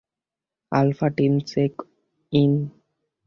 Alpha team, check in.